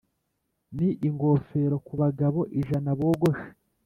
ni ingofero kubagabo ijana bogoshe,